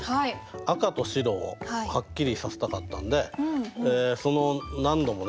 赤と白をはっきりさせたかったんで何度もね